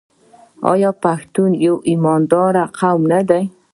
آیا پښتون یو ایماندار قوم نه دی؟